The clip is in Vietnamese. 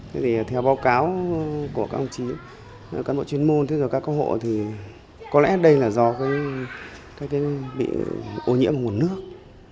thế thì theo báo cáo của các ông chí các bộ chuyên môn các các hộ thì có lẽ đây là do bị ô nhiễm của nguồn nước